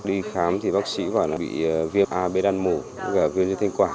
đi khám thì bác sĩ gọi là bị viêm ab đan mổ và viêm dư tinh quả